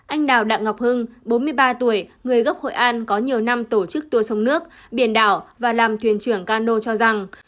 anh đào đặng ngọc hưng bốn mươi ba tuổi người gốc hội an có nhiều năm tổ chức tour sông nước biển đảo và làm thuyền trưởng cano cho rằng